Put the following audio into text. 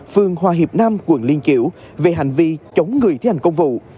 phương hòa hiệp nam quận liên kiểu về hành vi chống người thi hành công vụ